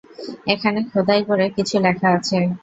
এখানে খোদাই করে কিছু লেখা আছে।